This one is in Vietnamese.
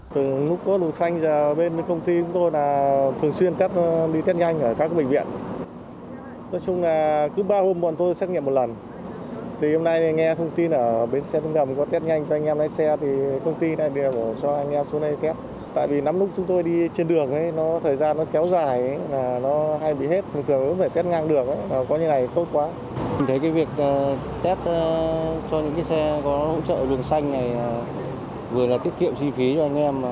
mình thấy việc test cho những xe có ủng hộ lưu đường xanh này vừa là tiết kiệm chi phí cho anh em